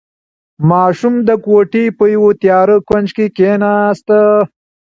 ماشوم د کوټې په یوه تیاره کونج کې کېناست.